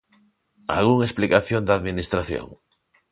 Algunha explicación da administración?